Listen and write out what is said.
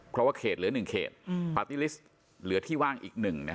เพราะว่าเขตเหลือ๑เขตปาร์ตี้ลิสต์เหลือที่ว่างอีก๑